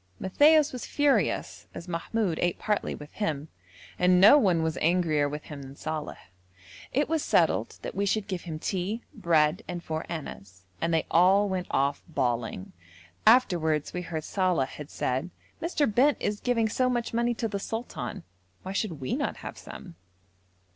Matthaios was furious, as Mahmoud ate partly with him, and no one was angrier with him than Saleh. It was settled that we should give him tea, bread, and four annas, and they all went off bawling. Afterwards we heard Saleh had said, 'Mr. Bent is giving so much money to the sultan, why should we not have some?'